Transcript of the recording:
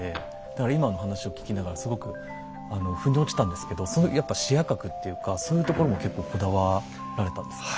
だから今の話を聞きながらすごく腑に落ちたんですけどそのやっぱ視野角っていうかそういうところも結構こだわられたんですか？